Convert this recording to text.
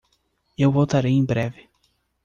Eu voltarei em breve.